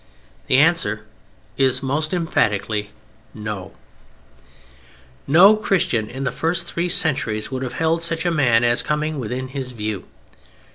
The answer is most emphatically No. No Christian in the first three centuries would have held such a man as coming within his view.